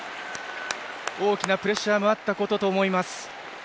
大きなプレッシャーもあったことかと思います。